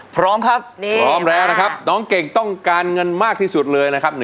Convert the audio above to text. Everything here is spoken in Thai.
พร้อมครับพร้อมแล้วนะครับน้องเก่งต้องการเงินมากที่สุดเลยนะครับ